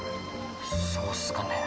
そうっすかね。